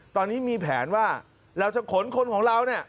ตอนนี้มีแผนว่าเราจะขนคนของเราเนี่ย